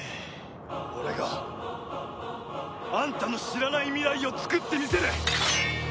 俺があんたの知らない未来を創ってみせる！